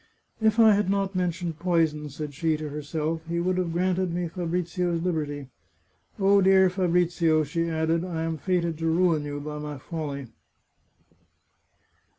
" If I had not mentioned poison," said she to herself, " he would have granted me Fa brizio's liberty. Oh, dear Fabrizio," she added, " I am fated to ruin you by my folly